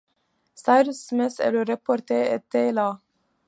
Cyrus Smith et le reporter étaient là